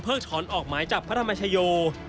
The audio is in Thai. ถอนออกหมายจับพระธรรมชโย